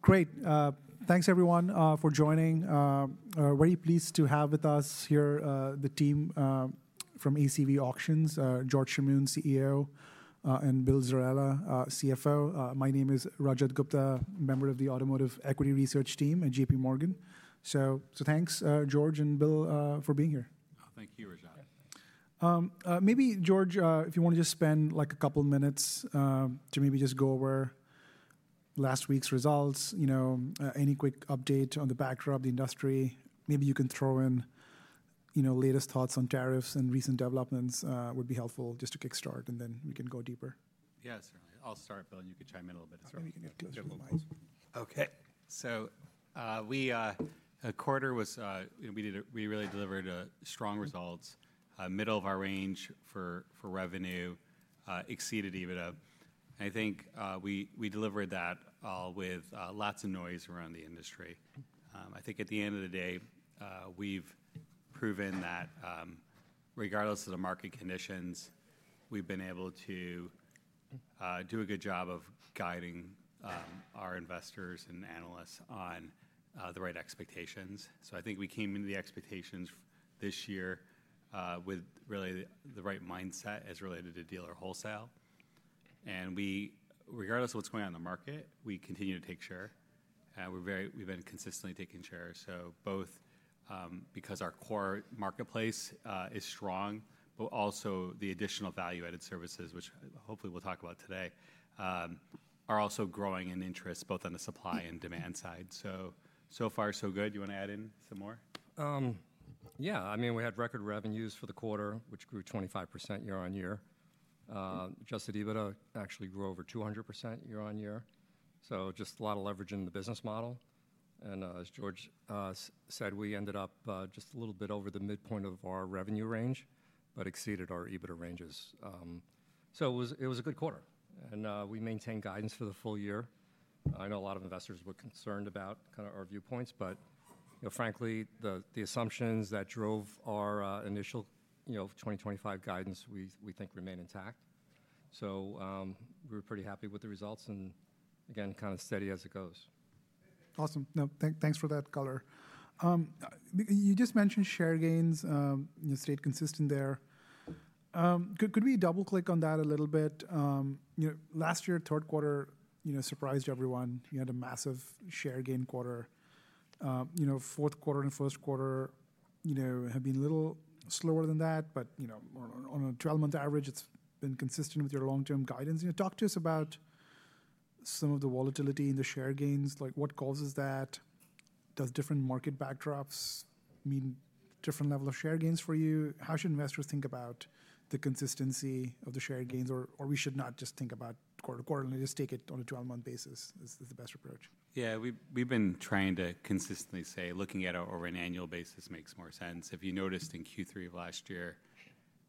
Great. Thanks, everyone, for joining. Very pleased to have with us here the team from ACV Auctions, George Chamoun, CEO, and Bill Zerella, CFO. My name is Rajat Gupta, member of the Automotive Equity Research team at J.P. Morgan. Thanks, George and Bill, for being here. Thank you, Rajat. Maybe, George, if you want to just spend like a couple of minutes to maybe just go over last week's results, any quick update on the backdrop, the industry. Maybe you can throw in latest thoughts on tariffs and recent developments would be helpful just to kickstart, and then we can go deeper. Yeah, certainly. I'll start, Bill, and you can chime in a little bit. Okay. A quarter was we really delivered strong results, middle of our range for revenue, exceeded EBITDA. I think we delivered that all with lots of noise around the industry. I think at the end of the day, we've proven that regardless of the market conditions, we've been able to do a good job of guiding our investors and analysts on the right expectations. I think we came into the expectations this year with really the right mindset as related to dealer wholesale. Regardless of what's going on in the market, we continue to take share. We've been consistently taking share, both because our core marketplace is strong, but also the additional value-added services, which hopefully we'll talk about today, are also growing in interest both on the supply and demand side. So far, so good. Do you want to add in some more? Yeah. I mean, we had record revenues for the quarter, which grew 25% year-on-year. Adjusted EBITDA actually grew over 200% year-on-year. Just a lot of leverage in the business model. As George said, we ended up just a little bit over the midpoint of our revenue range, but exceeded our EBITDA ranges. It was a good quarter. We maintained guidance for the full year. I know a lot of investors were concerned about kind of our viewpoints, but frankly, the assumptions that drove our initial 2025 guidance, we think remain intact. We were pretty happy with the results and, again, kind of steady as it goes. Awesome. Thanks for that, Color. You just mentioned share gains, stayed consistent there. Could we double-click on that a little bit? Last year, third quarter surprised everyone. You had a massive share gain quarter. Fourth quarter and first quarter have been a little slower than that, but on a 12-month average, it's been consistent with your long-term guidance. Talk to us about some of the volatility in the share gains. What causes that? Do different market backdrops mean different levels of share gains for you? How should investors think about the consistency of the share gains? Or we should not just think about quarter-to-quarter and just take it on a 12-month basis is the best approach? Yeah, we've been trying to consistently say looking at it over an annual basis makes more sense. If you noticed in Q3 of last year,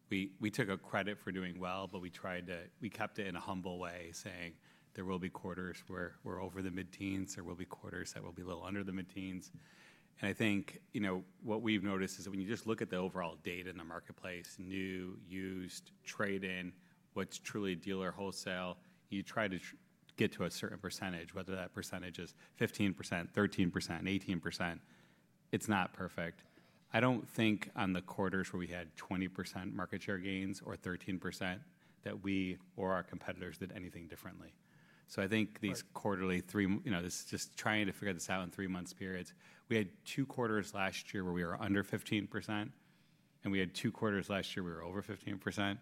we took a credit for doing well, but we kept it in a humble way, saying there will be quarters where we're over the mid-teens or will be quarters that will be a little under the mid-teens. I think what we've noticed is that when you just look at the overall data in the marketplace, new, used, trade-in, what's truly dealer wholesale, you try to get to a certain percentage, whether that percentage is 15%, 13%, 18%, it's not perfect. I don't think on the quarters where we had 20% market share gains or 13% that we or our competitors did anything differently. I think these quarterly three this is just trying to figure this out in three-month periods. We had two quarters last year where we were under 15%, and we had two quarters last year where we were over 15%.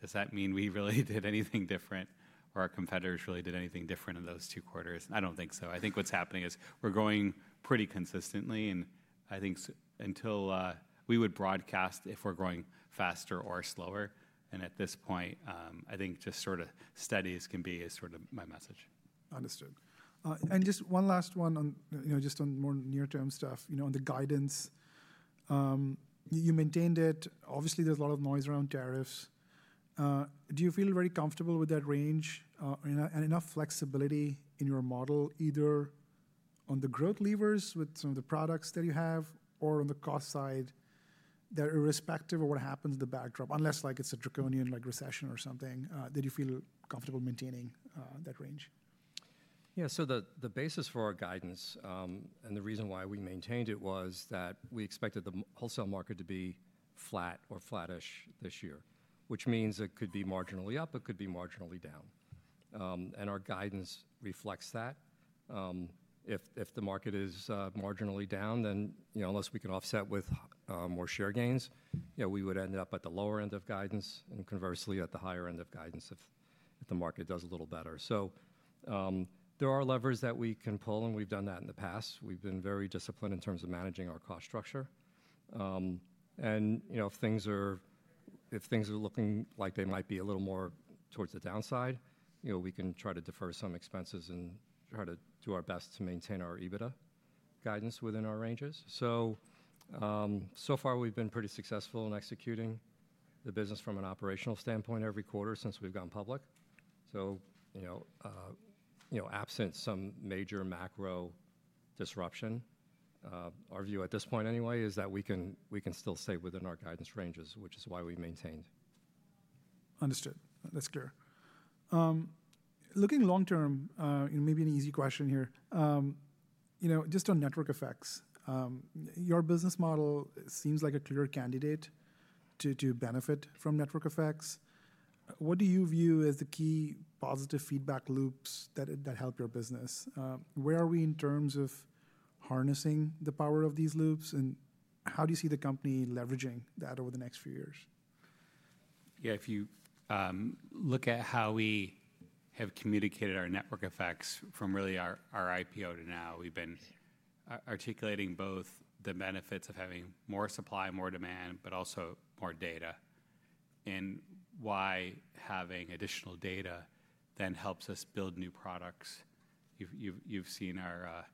Does that mean we really did anything different or our competitors really did anything different in those two quarters? I don't think so. I think what's happening is we're growing pretty consistently, and I think until we would broadcast if we're growing faster or slower. At this point, I think just sort of steady can be sort of my message. Understood. Just one last one on more near-term stuff, on the guidance. You maintained it. Obviously, there's a lot of noise around tariffs. Do you feel very comfortable with that range and enough flexibility in your model, either on the growth levers with some of the products that you have or on the cost side that irrespective of what happens in the backdrop, unless it's a draconian recession or something, that you feel comfortable maintaining that range? Yeah. The basis for our guidance and the reason why we maintained it was that we expected the wholesale market to be flat or flattish this year, which means it could be marginally up, it could be marginally down. Our guidance reflects that. If the market is marginally down, then unless we can offset with more share gains, we would end up at the lower end of guidance and conversely at the higher end of guidance if the market does a little better. There are levers that we can pull, and we've done that in the past. We've been very disciplined in terms of managing our cost structure. If things are looking like they might be a little more towards the downside, we can try to defer some expenses and try to do our best to maintain our EBITDA guidance within our ranges. So far, we've been pretty successful in executing the business from an operational standpoint every quarter since we've gone public. Absent some major macro disruption, our view at this point anyway is that we can still stay within our guidance ranges, which is why we maintained. Understood. That's clear. Looking long-term, maybe an easy question here. Just on network effects, your business model seems like a clear candidate to benefit from network effects. What do you view as the key positive feedback loops that help your business? Where are we in terms of harnessing the power of these loops, and how do you see the company leveraging that over the next few years? Yeah, if you look at how we have communicated our network effects from really our IPO to now, we've been articulating both the benefits of having more supply, more demand, but also more data, and why having additional data then helps us build new products. You've seen our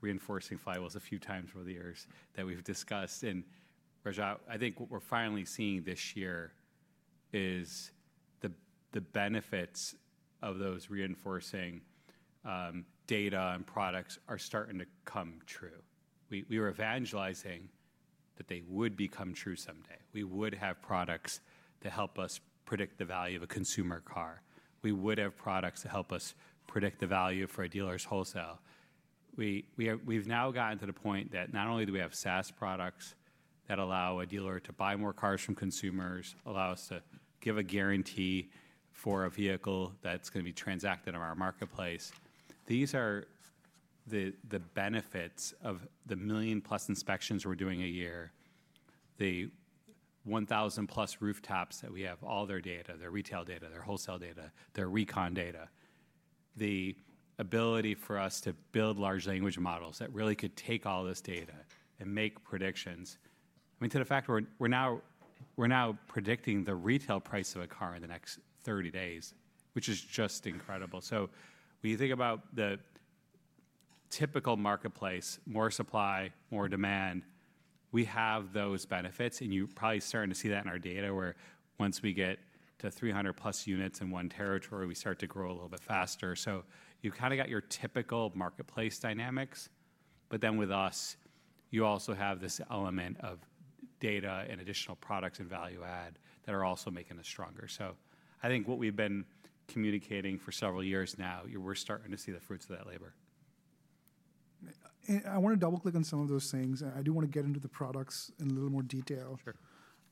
reinforcing flywheels a few times over the years that we've discussed. Rajat, I think what we're finally seeing this year is the benefits of those reinforcing data and products are starting to come true. We were evangelizing that they would become true someday. We would have products to help us predict the value of a consumer car. We would have products to help us predict the value for a dealer's wholesale. We've now gotten to the point that not only do we have SaaS products that allow a dealer to buy more cars from consumers, allow us to give a guarantee for a vehicle that's going to be transacted in our marketplace. These are the benefits of the million-plus inspections we're doing a year, the 1,000-plus rooftops that we have all their data, their retail data, their wholesale data, their recon data, the ability for us to build large language models that really could take all this data and make predictions. I mean, to the fact we're now predicting the retail price of a car in the next 30 days, which is just incredible. When you think about the typical marketplace, more supply, more demand, we have those benefits, and you're probably starting to see that in our data where once we get to 300-plus units in one territory, we start to grow a little bit faster. You have your typical marketplace dynamics, but then with us, you also have this element of data and additional products and value add that are also making us stronger. I think what we've been communicating for several years now, we're starting to see the fruits of that labor. I want to double-click on some of those things. I do want to get into the products in a little more detail.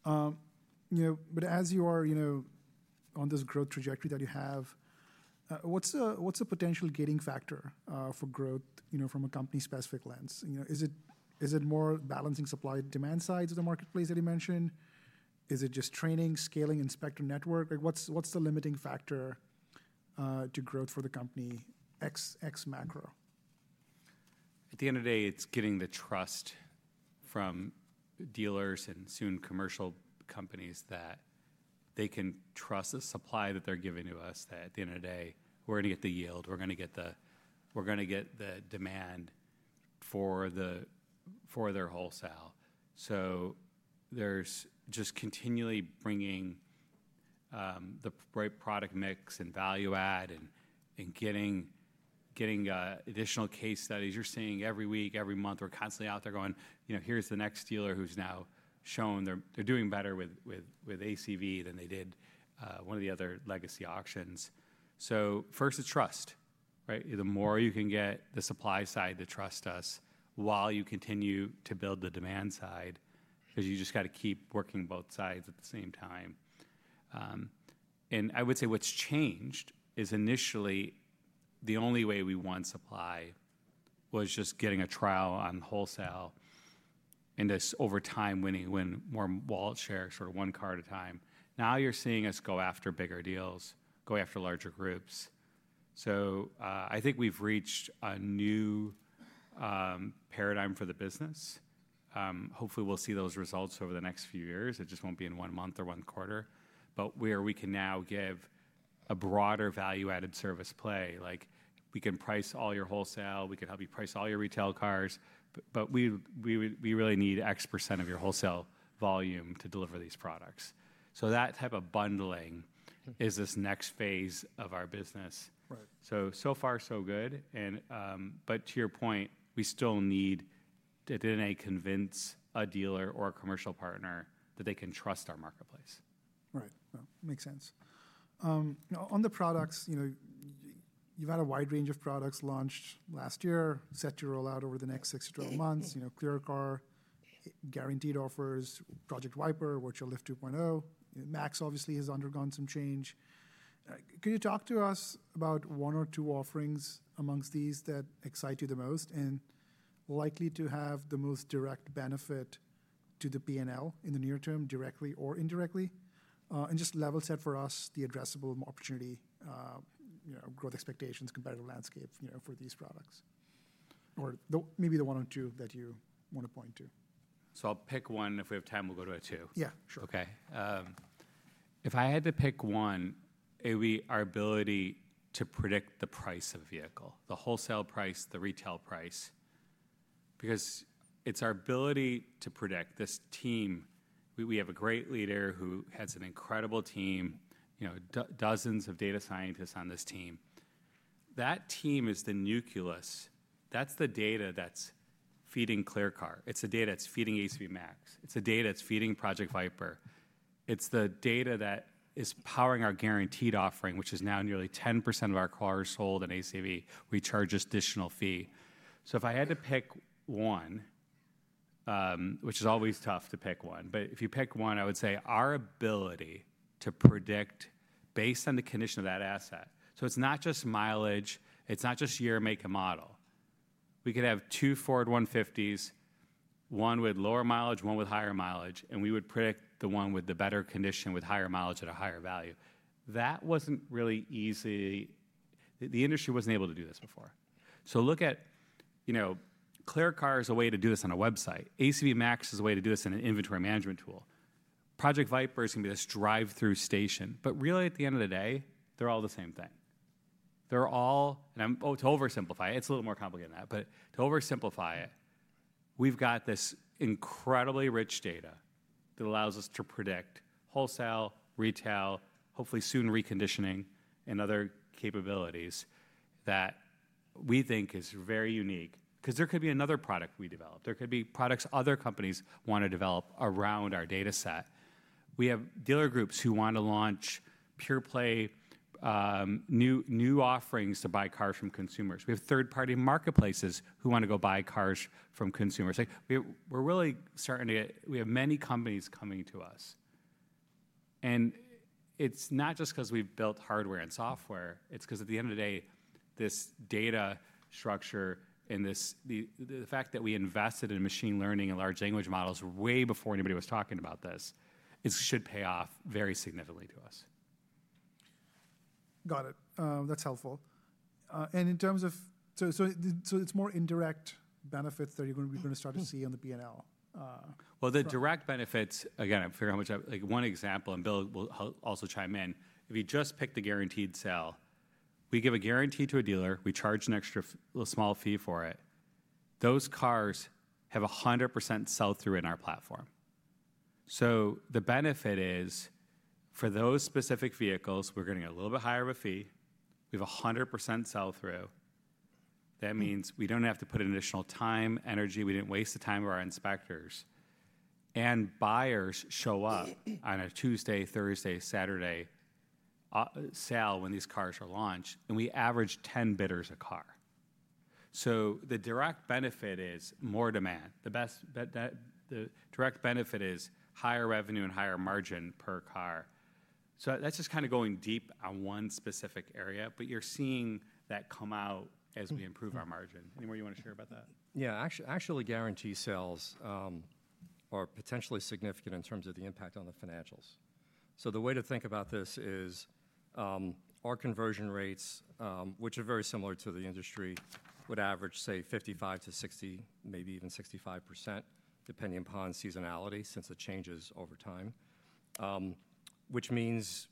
As you are on this growth trajectory that you have, what's a potential gating factor for growth from a company-specific lens? Is it more balancing supply-demand sides of the marketplace that you mentioned? Is it just training, scaling, inspector network? What's the limiting factor to growth for the company X macro? At the end of the day, it's getting the trust from dealers and soon commercial companies that they can trust the supply that they're giving to us that at the end of the day, we're going to get the yield, we're going to get the demand for their wholesale. There's just continually bringing the right product mix and value add and getting additional case studies. You're seeing every week, every month, we're constantly out there going, "Here's the next dealer who's now shown they're doing better with ACV than they did one of the other legacy auctions." First, it's trust. The more you can get the supply side to trust us while you continue to build the demand side because you just got to keep working both sides at the same time. I would say what's changed is initially the only way we won supply was just getting a trial on wholesale and just over time winning more wallet share, sort of one car at a time. Now you're seeing us go after bigger deals, go after larger groups. I think we've reached a new paradigm for the business. Hopefully, we'll see those results over the next few years. It just won't be in one month or one quarter, but where we can now give a broader value-added service play. We can price all your wholesale, we can help you price all your retail cars, but we really need x% of your wholesale volume to deliver these products. That type of bundling is this next phase of our business. So far, so good. To your point, we still need to convince a dealer or a commercial partner that they can trust our marketplace. Right. Makes sense. On the products, you've had a wide range of products launched last year, set to roll out over the next six to twelve months, Clear Car, Guaranteed Offers, Project Wiper, Virtual Lift 2.0. Max obviously has undergone some change. Could you talk to us about one or two offerings amongst these that excite you the most and likely to have the most direct benefit to the P&L in the near term directly or indirectly? Just level set for us the addressable opportunity, growth expectations, competitive landscape for these products, or maybe the one or two that you want to point to. I'll pick one. If we have time, we'll go to two. Yeah, sure. Okay. If I had to pick one, it would be our ability to predict the price of a vehicle, the wholesale price, the retail price, because it's our ability to predict. This team, we have a great leader who has an incredible team, dozens of data scientists on this team. That team is the nucleus. That's the data that's feeding Clear Car. It's the data that's feeding ACV MAX. It's the data that's feeding Project Wiper. It's the data that is powering our Guaranteed Offering, which is now nearly 10% of our cars sold in ACV. We charge an additional fee. If I had to pick one, which is always tough to pick one, but if you pick one, I would say our ability to predict based on the condition of that asset. It's not just mileage, it's not just year, make, and model. We could have two Ford F-150s, one with lower mileage, one with higher mileage, and we would predict the one with the better condition with higher mileage at a higher value. That wasn't really easy. The industry wasn't able to do this before. Look at Clear Car as a way to do this on a website. ACV MAX is a way to do this in an inventory management tool. Project Wiper is going to be this drive-through station. At the end of the day, they're all the same thing. They're all, and to oversimplify it, it's a little more complicated than that, but to oversimplify it, we've got this incredibly rich data that allows us to predict wholesale, retail, hopefully soon reconditioning and other capabilities that we think is very unique because there could be another product we develop. There could be products other companies want to develop around our data set. We have dealer groups who want to launch pure play, new offerings to buy cars from consumers. We have third-party marketplaces who want to go buy cars from consumers. We're really starting to get, we have many companies coming to us. It's not just because we've built hardware and software. It's because at the end of the day, this data structure and the fact that we invested in machine learning and large language models way before anybody was talking about this, it should pay off very significantly to us. Got it. That's helpful. In terms of, so it's more indirect benefits that you're going to start to see on the P&L. The direct benefits, again, I figure how much one example, and Bill will also chime in. If you just pick the guaranteed sale, we give a guarantee to a dealer, we charge an extra small fee for it. Those cars have 100% sell-through in our platform. The benefit is for those specific vehicles, we're going to get a little bit higher of a fee. We have 100% sell-through. That means we don't have to put in additional time, energy. We didn't waste the time of our inspectors. Buyers show up on a Tuesday, Thursday, Saturday sale when these cars are launched, and we average 10 bidders a car. The direct benefit is more demand. The direct benefit is higher revenue and higher margin per car. That's just kind of going deep on one specific area, but you're seeing that come out as we improve our margin. Any more you want to share about that? Yeah. Actually, guarantee sales are potentially significant in terms of the impact on the financials. The way to think about this is our conversion rates, which are very similar to the industry, would average, say, 55%-60%, maybe even 65%, depending upon seasonality since it changes over time, which means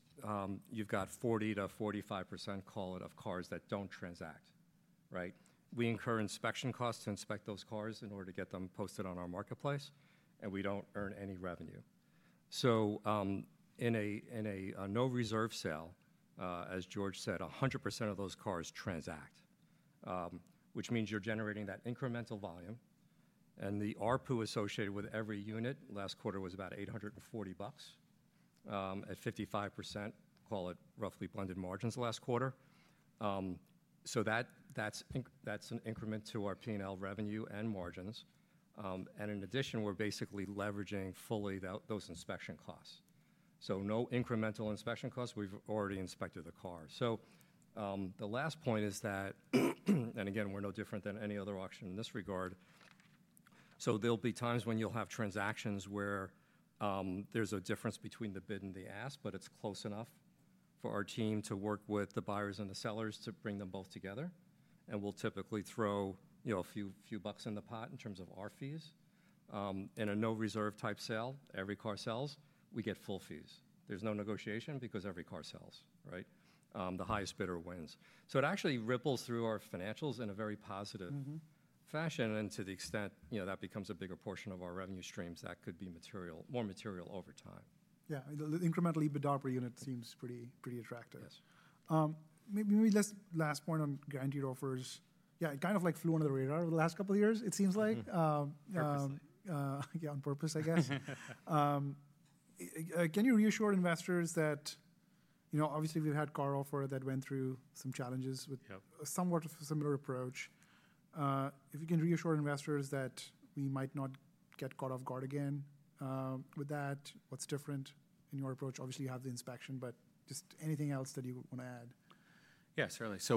you have got 40%-45% call it of cars that do not transact. We incur inspection costs to inspect those cars in order to get them posted on our marketplace, and we do not earn any revenue. In a No Reserve Sale, as George said, 100% of those cars transact, which means you are generating that incremental volume. The RPU associated with every unit last quarter was about $840 at 55%, call it roughly blended margins last quarter. That is an increment to our P&L revenue and margins. In addition, we are basically leveraging fully those inspection costs. No incremental inspection costs. We've already inspected the car. The last point is that, and again, we're no different than any other auction in this regard. There'll be times when you'll have transactions where there's a difference between the bid and the ask, but it's close enough for our team to work with the buyers and the sellers to bring them both together. We'll typically throw a few bucks in the pot in terms of our fees. In a No Reserve type sale, every car sells, we get full fees. There's no negotiation because every car sells. The highest bidder wins. It actually ripples through our financials in a very positive fashion. To the extent that becomes a bigger portion of our revenue streams, that could be more material over time. Yeah. Incrementally, seems pretty attractive. Maybe last point on Guaranteed Offers. Yeah, it kind of flew under the radar over the last couple of years, it seems like. Definitely. Yeah, on purpose, I guess. Can you reassure investors that obviously we've had CarOffer that went through some challenges with somewhat of a similar approach? If you can reassure investors that we might not get caught off guard again with that, what's different in your approach? Obviously, you have the inspection, but just anything else that you want to add? Yeah, certainly. So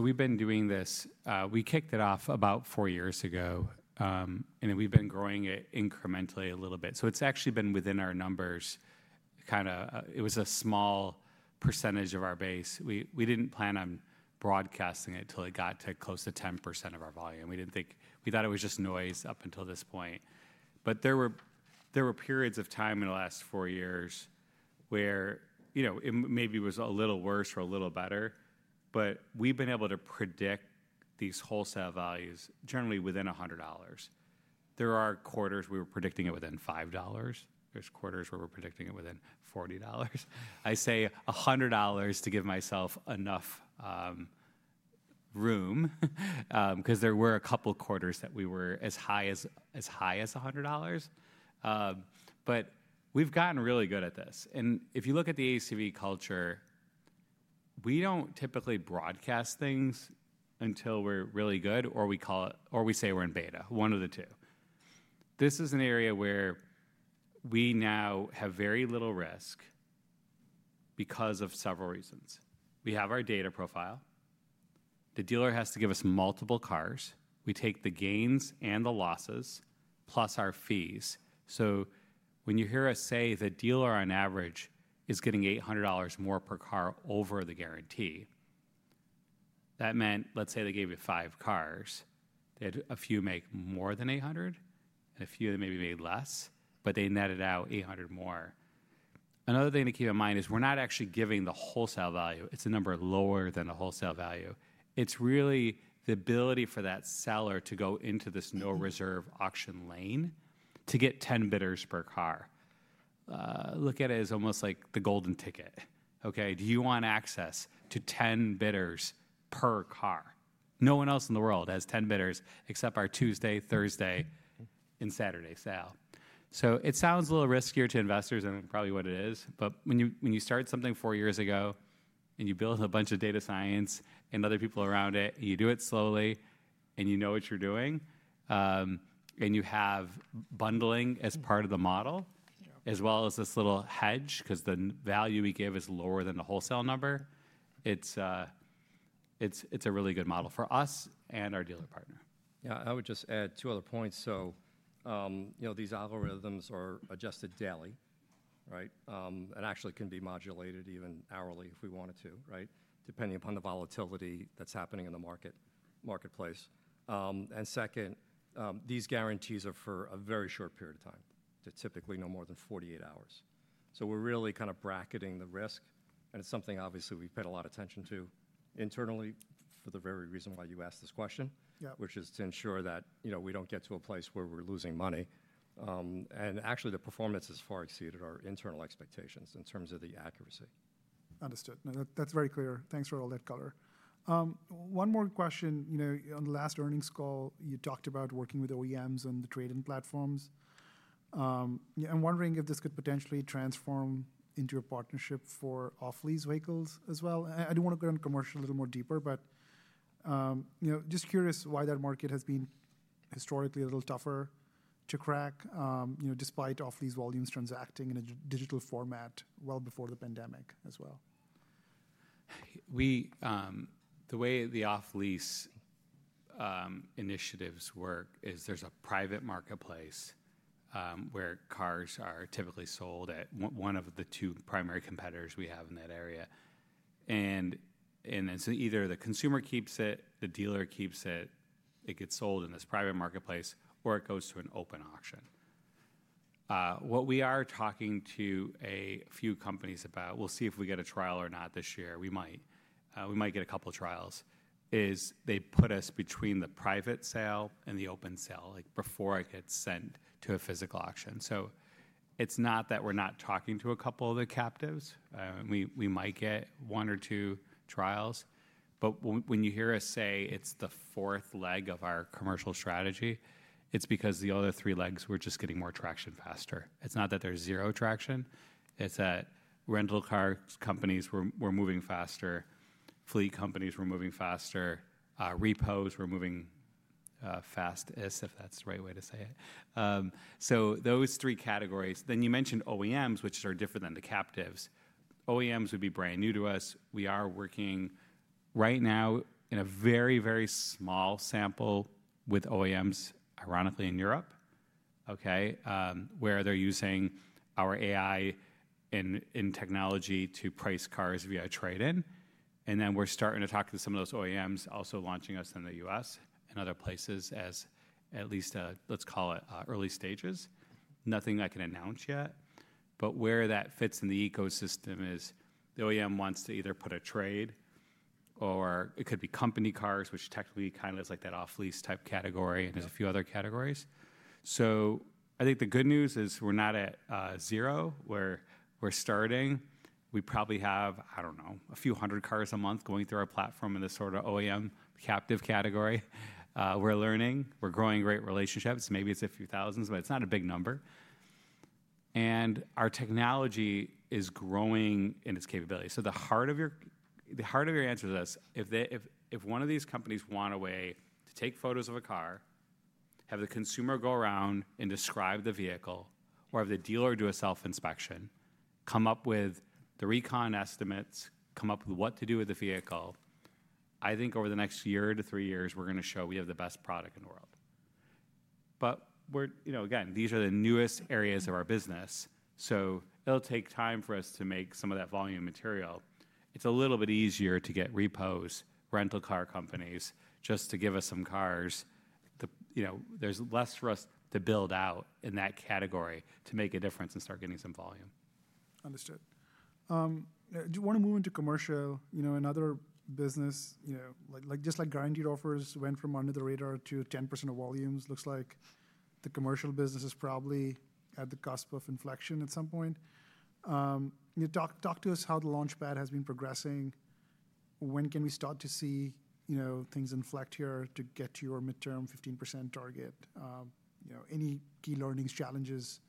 we've been doing this. We kicked it off about four years ago, and we've been growing it incrementally a little bit. It's actually been within our numbers. Kind of it was a small percentage of our base. We didn't plan on broadcasting it until it got to close to 10% of our volume. We thought it was just noise up until this point. There were periods of time in the last four years where it maybe was a little worse or a little better, but we've been able to predict these wholesale values generally within $100. There are quarters we were predicting it within $5. There's quarters where we're predicting it within $40. I say $100 to give myself enough room because there were a couple of quarters that we were as high as $100. We've gotten really good at this. If you look at the ACV culture, we do not typically broadcast things until we are really good or we say we are in beta, one of the two. This is an area where we now have very little risk because of several reasons. We have our data profile. The dealer has to give us multiple cars. We take the gains and the losses plus our fees. When you hear us say the dealer on average is getting $800 more per car over the guarantee, that meant let's say they gave you five cars, a few make more than $800, a few of them maybe made less, but they netted out $800 more. Another thing to keep in mind is we are not actually giving the wholesale value. It is a number lower than the wholesale value. It's really the ability for that seller to go into this No Reserve Auction lane to get 10 bidders per car. Look at it as almost like the golden ticket. Do you want access to 10 bidders per car? No one else in the world has 10 bidders except our Tuesday, Thursday, and Saturday sale. It sounds a little riskier to investors and probably what it is, but when you start something four years ago and you build a bunch of data science and other people around it, you do it slowly and you know what you're doing and you have bundling as part of the model as well as this little hedge because the value we give is lower than the wholesale number, it's a really good model for us and our dealer partner. Yeah, I would just add two other points. These algorithms are adjusted daily and actually can be modulated even hourly if we wanted to, depending upon the volatility that's happening in the marketplace. Second, these guarantees are for a very short period of time, typically no more than 48 hours. We are really kind of bracketing the risk. It is something obviously we have paid a lot of attention to internally for the very reason why you asked this question, which is to ensure that we do not get to a place where we are losing money. Actually, the performance has far exceeded our internal expectations in terms of the accuracy. Understood. That's very clear. Thanks for all that color. One more question. On the last earnings call, you talked about working with OEMs and the trade-in platforms. I'm wondering if this could potentially transform into a partnership for off-lease vehicles as well. I don't want to go into commercial a little more deeper, but just curious why that market has been historically a little tougher to crack despite off-lease volumes transacting in a digital format well before the pandemic as well. The way the off-lease initiatives work is there's a private marketplace where cars are typically sold at one of the two primary competitors we have in that area. Either the consumer keeps it, the dealer keeps it, it gets sold in this private marketplace, or it goes to an open auction. What we are talking to a few companies about, we'll see if we get a trial or not this year. We might get a couple of trials, is they put us between the private sale and the open sale before it gets sent to a physical auction. It is not that we're not talking to a couple of the captives. We might get one or two trials. When you hear us say it's the fourth leg of our commercial strategy, it's because the other three legs were just getting more traction faster. It's not that there's zero traction. It's that rental car companies were moving faster, fleet companies were moving faster, repos were moving fastest, if that's the right way to say it. Those three categories. You mentioned OEMs, which are different than the captives. OEMs would be brand new to us. We are working right now in a very, very small sample with OEMs, ironically, in Europe, where they're using our AI and technology to price cars via trade-in. We are starting to talk to some of those OEMs also launching us in the U.S. and other places as at least, let's call it early stages. Nothing I can announce yet, but where that fits in the ecosystem is the OEM wants to either put a trade or it could be company cars, which technically kind of is like that off-lease type category. There are a few other categories. I think the good news is we're not at zero. We're starting. We probably have, I don't know, a few hundred cars a month going through our platform in this sort of OEM captive category. We're learning. We're growing great relationships. Maybe it's a few thousand, but it's not a big number. Our technology is growing in its capability. The heart of your answer to this, if one of these companies wants a way to take photos of a car, have the consumer go around and describe the vehicle, or have the dealer do a self-inspection, come up with the recon estimates, come up with what to do with the vehicle, I think over the next year to three years, we're going to show we have the best product in the world. Again, these are the newest areas of our business. It will take time for us to make some of that volume material. It's a little bit easier to get repos, rental car companies just to give us some cars. There's less for us to build out in that category to make a difference and start getting some volume. Understood. Do you want to move into commercial? Another business, just like Guaranteed Offers went from under the radar to 10% of volumes, looks like the commercial business is probably at the cusp of inflection at some point. Talk to us how the launchpad has been progressing. When can we start to see things inflect here to get to your midterm 15% target? Any key learnings, challenges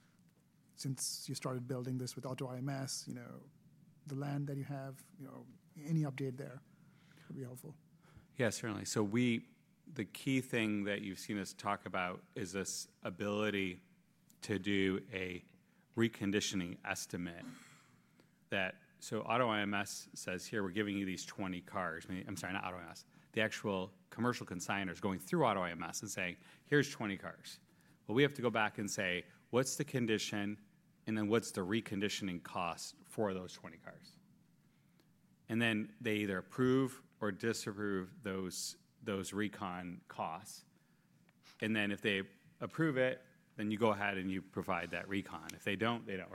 since you started building this with AutoIMS, the land that you have, any update there would be helpful. Yeah, certainly. The key thing that you've seen us talk about is this ability to do a reconditioning estimate. AutoIMS says, "Here, we're giving you these 20 cars." I'm sorry, not AutoIMS. The actual commercial consignor is going through AutoIMS and saying, "Here's 20 cars." We have to go back and say, "What's the condition? And then what's the reconditioning cost for those 20 cars?" They either approve or disapprove those recon costs. If they approve it, you go ahead and you provide that recon. If they don't, they don't.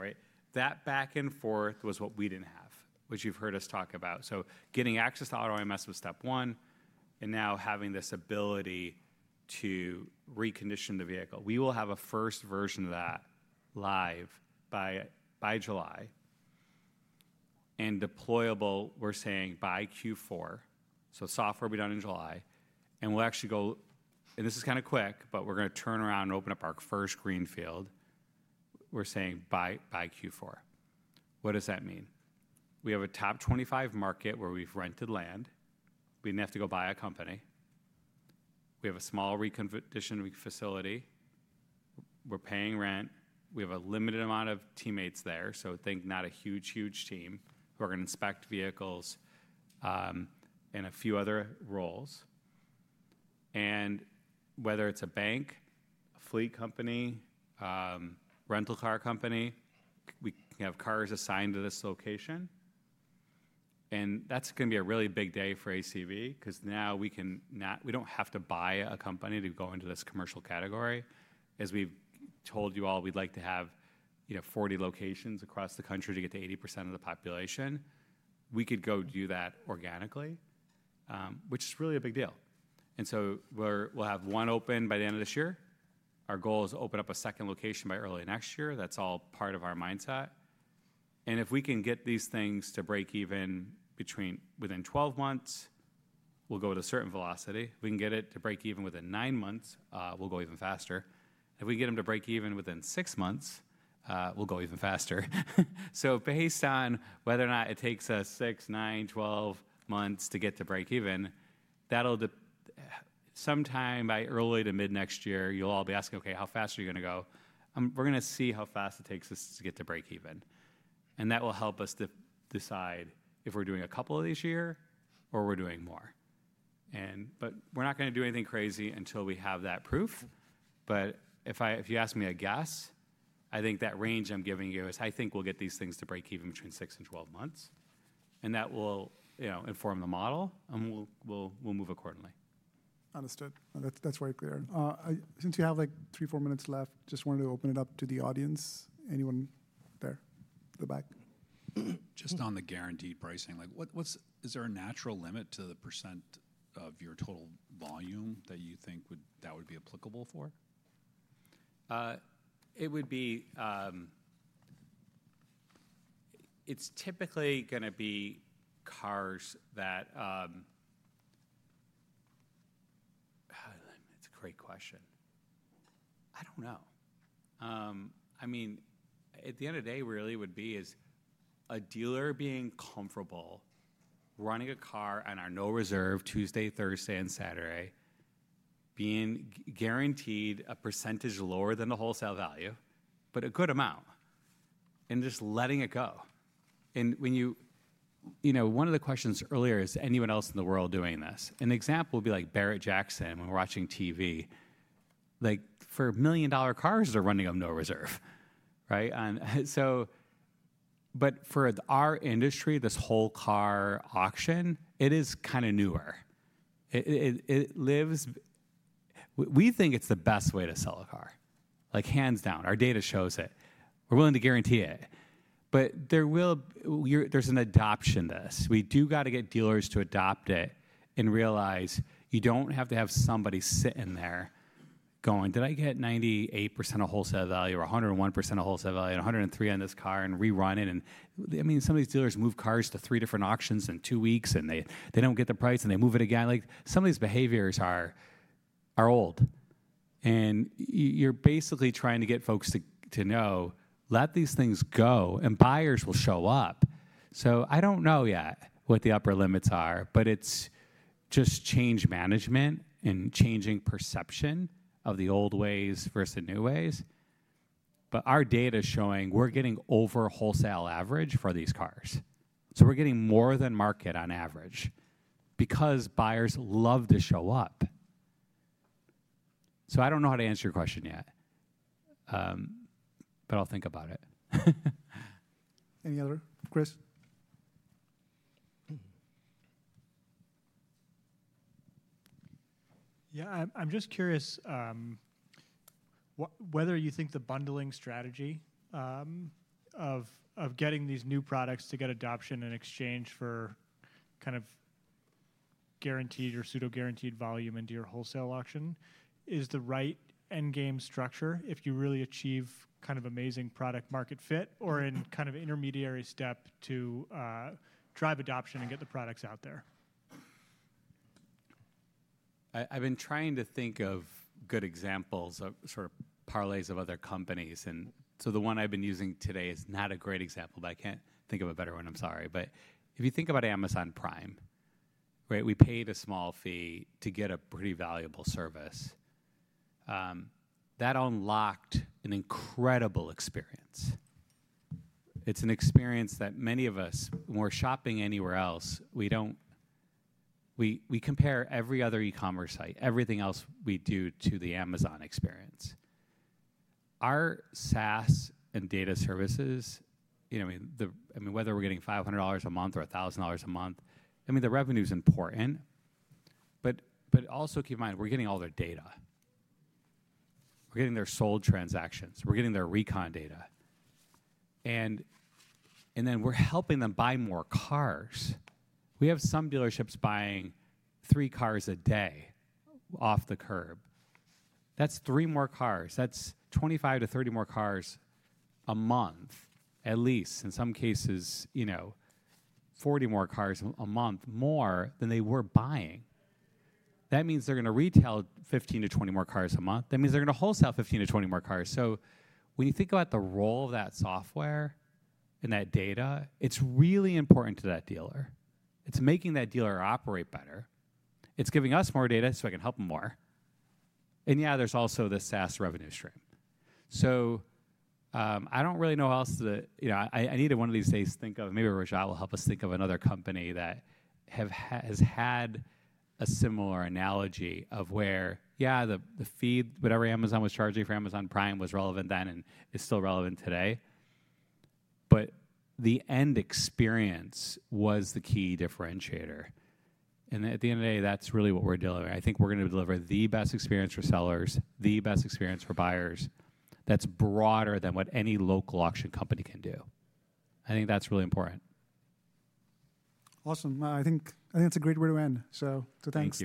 That back and forth was what we didn't have, which you've heard us talk about. Getting access to AutoIMS was step one. Now having this ability to recondition the vehicle. We will have a first version of that live by July. Deployable, we're saying by Q4. Software will be done in July. We'll actually go, and this is kind of quick, but we're going to turn around and open up our first greenfield. We're saying by Q4. What does that mean? We have a top 25 market where we've rented land. We didn't have to go buy a company. We have a small reconditioning facility. We're paying rent. We have a limited amount of teammates there. Think not a huge, huge team. We're going to inspect vehicles and a few other roles. Whether it's a bank, a fleet company, rental car company, we can have cars assigned to this location. That's going to be a really big day for ACV because now we don't have to buy a company to go into this commercial category. As we've told you all, we'd like to have 40 locations across the country to get to 80% of the population. We could go do that organically, which is really a big deal. We'll have one open by the end of this year. Our goal is to open up a second location by early next year. That's all part of our mindset. If we can get these things to break even within 12 months, we'll go at a certain velocity. If we can get it to break even within nine months, we'll go even faster. If we get them to break even within six months, we'll go even faster. Based on whether or not it takes us six, nine, 12 months to get to break even, sometime by early to mid next year, you'll all be asking, "Okay, how fast are you going to go?" We're going to see how fast it takes us to get to break even. That will help us decide if we're doing a couple of these years or we're doing more. We're not going to do anything crazy until we have that proof. If you ask me a guess, I think that range I'm giving you is I think we'll get these things to break even between 6-12 months. That will inform the model, and we'll move accordingly. Understood. That's very clear. Since we have like three, four minutes left, just wanted to open it up to the audience. Anyone there? The back? Just on the guaranteed pricing, is there a natural limit to the percent of your total volume that you think that would be applicable for? It's typically going to be cars that, it's a great question. I don't know. I mean, at the end of the day, really, it would be a dealer being comfortable running a car on our No Reserve Tuesday, Thursday, and Saturday, being guaranteed a percentage lower than the wholesale value, but a good amount, and just letting it go. One of the questions earlier is, anyone else in the world doing this? An example would be like Barrett-Jackson when we're watching TV. For a million-dollar cars, they're running on no reserve. For our industry, this whole car auction, it is kind of newer. We think it's the best way to sell a car. Hands down. Our data shows it. We're willing to guarantee it. There's an adoption to this. We do got to get dealers to adopt it and realize you don't have to have somebody sitting there going, "Did I get 98% of wholesale value or 101% of wholesale value and 103% on this car and rerun it?" I mean, some of these dealers move cars to three different auctions in two weeks, and they don't get the price, and they move it again. Some of these behaviors are old. You're basically trying to get folks to know, "Let these things go, and buyers will show up." I don't know yet what the upper limits are, but it's just change management and changing perception of the old ways versus the new ways. Our data is showing we're getting over wholesale average for these cars. We're getting more than market on average because buyers love to show up. I don't know how to answer your question yet, but I'll think about it. Any other questions? Yeah, I'm just curious whether you think the bundling strategy of getting these new products to get adoption in exchange for kind of guaranteed or pseudo-guaranteed volume into your wholesale auction is the right endgame structure if you really achieve kind of amazing product-market fit or in kind of intermediary step to drive adoption and get the products out there? I've been trying to think of good examples, sort of parlays of other companies. The one I've been using today is not a great example, but I can't think of a better one. I'm sorry. If you think about Amazon Prime, we paid a small fee to get a pretty valuable service. That unlocked an incredible experience. It's an experience that many of us, when we're shopping anywhere else, we compare every other e-commerce site, everything else we do, to the Amazon experience. Our SaaS and data services, whether we're getting $500 a month or $1,000 a month, I mean, the revenue is important. Also keep in mind, we're getting all their data. We're getting their sold transactions. We're getting their recon data. Then we're helping them buy more cars. We have some dealerships buying three cars a day off the curb. That's three more cars. That's 25-30 more cars a month, at least. In some cases, 40 more cars a month more than they were buying. That means they're going to retail 15-20 more cars a month. That means they're going to wholesale 15-20 more cars. When you think about the role of that software and that data, it's really important to that dealer. It's making that dealer operate better. It's giving us more data so I can help them more. Yeah, there's also the SaaS revenue stream. I don't really know how else to, I needed one of these days to think of, maybe Rajat will help us think of another company that has had a similar analogy of where, yeah, the fee, whatever Amazon was charging for Amazon Prime was relevant then and is still relevant today. The end experience was the key differentiator. At the end of the day, that's really what we're delivering. I think we're going to deliver the best experience for sellers, the best experience for buyers that's broader than what any local auction company can do. I think that's really important. Awesome. I think that's a great way to end. So thanks.